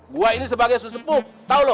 gua ini sebagai susupu tau lo